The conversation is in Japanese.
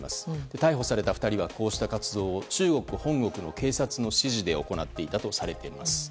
逮捕された２人はこうした活動を中国本国の警察の指示で行っていたとされています。